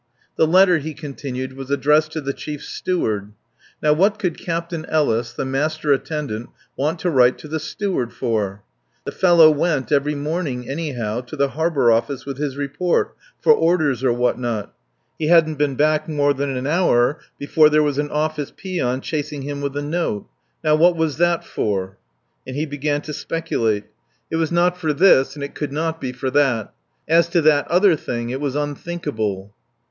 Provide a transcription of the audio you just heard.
The letter, he continued, was addressed to the Chief Steward. Now what could Captain Ellis, the Master Attendant, want to write to the Steward for? The fellow went every morning, anyhow, to the Harbour Office with his report, for orders or what not. He hadn't been back more than an hour before there was an office peon chasing him with a note. Now what was that for? And he began to speculate. It was not for this and it could not be for that. As to that other thing it was unthinkable.